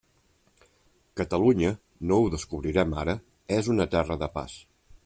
Catalunya, no ho descobrirem ara, és una terra de pas.